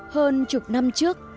hơn chục năm trước